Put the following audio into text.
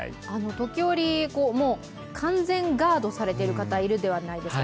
時折、完全ガードされている方、いるではないですか。